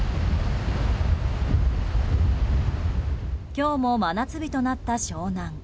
今日も真夏日となった湘南。